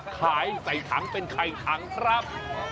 ขายใส่ถังเป็นไข่ถังครับ